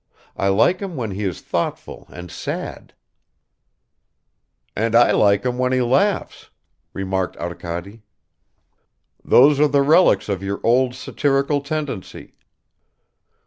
I like him when he is thoughtful and sad." "And I like him when he laughs," remarked Arkady. "Those are the relics of your old satirical tendency."